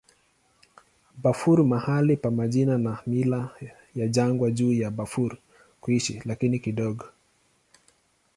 Bafur mahali pa majina na mila ya jangwa juu ya Bafur kuishi, lakini kidogo.